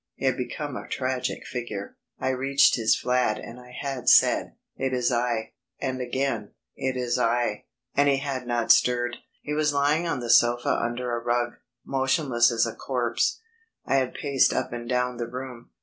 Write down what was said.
He had become a tragic figure. I reached his flat and I had said: "It is I," and again, "It is I," and he had not stirred. He was lying on the sofa under a rug, motionless as a corpse. I had paced up and down the room.